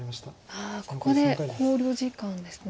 ここで考慮時間ですね。